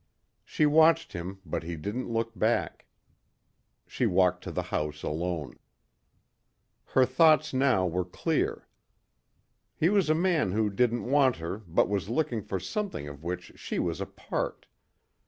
She watched him but he didn't look back. She walked to the house alone. Her thoughts now were clear. He was a man who didn't want her but was looking for something of which she was a part.